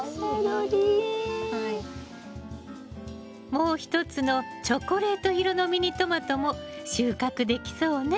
もう一つのチョコレート色のミニトマトも収穫できそうね！